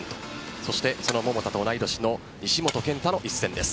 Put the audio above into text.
そして、その桃田と同い年の西本拳太の一戦です。